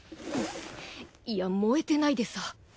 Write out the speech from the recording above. いやもえてないでさ。